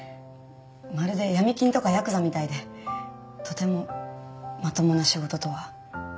まるで闇金とかヤクザみたいでとてもまともな仕事とは。